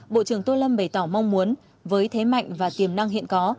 bộ trưởng tô lâm bày tỏ mong muốn với thế mạnh và tiềm năng hiện có